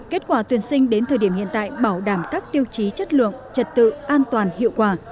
kết quả tuyển sinh đến thời điểm hiện tại bảo đảm các tiêu chí chất lượng trật tự an toàn hiệu quả